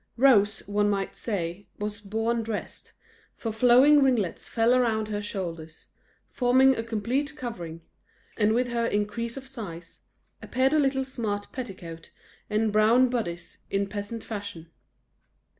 Rose, one might say, was born dressed, for flowing ringlets fell around her shoulders, forming a complete covering; and with her increase of size, appeared a little smart petticoat and brown bodice in peasant fashion.